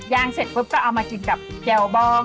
เสร็จปุ๊บก็เอามากินกับแยวบอง